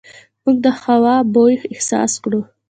موږ د هوا بوی احساس کړو.